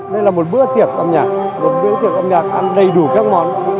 đây là một bữa tiệc âm nhạc một bữa tiệc âm nhạc ăn đầy đủ các món